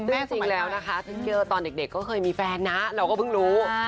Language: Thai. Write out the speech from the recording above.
ซึ่งจริงแล้วนะคะตอนเด็กก็เคยมีแฟนนะเราก็เพิ่งรู้